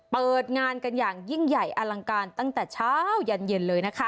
เปิดงานกันอย่างยิ่งใหญ่อลังการตั้งแต่เช้ายันเย็นเลยนะคะ